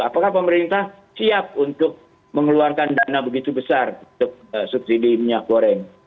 apakah pemerintah siap untuk mengeluarkan dana begitu besar untuk subsidi minyak goreng